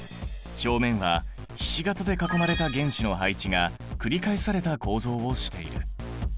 表面はひし形で囲まれた原子の配置が繰り返された構造をしている。